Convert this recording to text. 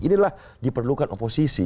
inilah diperlukan oposisi